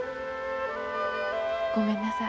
ごめんなさい。